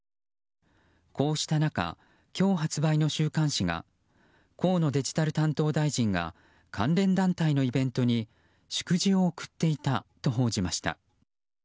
こうした中、今日発売の週刊誌が河野デジタル担当大臣が関連団体のイベントに祝辞を送っていたと報じました。